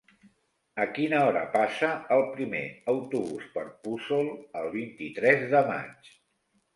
A quina hora passa el primer autobús per Puçol el vint-i-tres de maig?